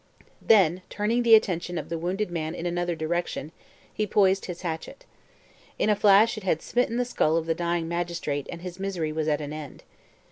Then, turning the attention of the wounded man in another direction, he poised his hatchet. In a flash it had smitten the skull of the dying magistrate and his misery was at an end.